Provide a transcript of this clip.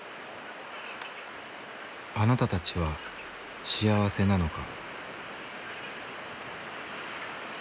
「あなたたちは幸せなのか」。